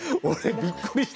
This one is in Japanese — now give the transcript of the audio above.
びっくりした。